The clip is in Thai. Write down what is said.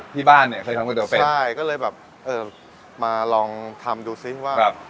ที่บ้านเนี่ยเคยทำก๋วเป็ดใช่ก็เลยแบบเออมาลองทำดูซิว่า